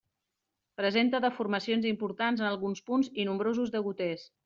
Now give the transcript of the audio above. Presenta deformacions importants en alguns punts i nombrosos degoters.